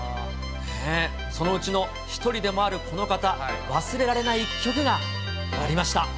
そのうちの一人でもあるこの方、忘れられない一曲がありました。